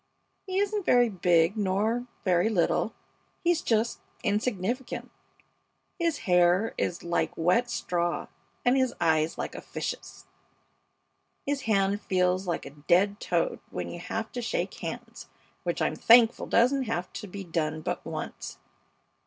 He isn't very big nor very little; he's just insignificant. His hair is like wet straw, and his eyes like a fish's. His hand feels like a dead toad when you have to shake hands, which I'm thankful doesn't have to be done but once.